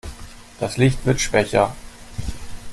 Das Licht wird schwächer.